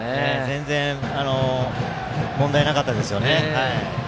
全然問題なかったですよね。